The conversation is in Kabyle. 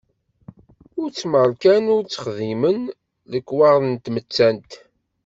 Ur tt-mmarkan ur s-xdimen lekwaɣeḍ n tmettant.